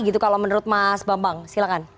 gitu kalau menurut mas bambang silahkan